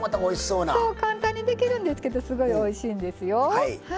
簡単にできるんですけどすごいおいしいんですよ。